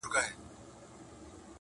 • چي قاضي ته چا ورکړئ دا فرمان دی..